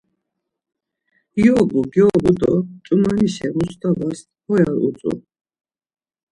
Yobu gyobu do ç̌umanişe Mustavas Ho ya utzu.